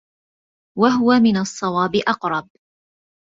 وَهُوَ مِنْ الصَّوَابِ أَقْرَبُ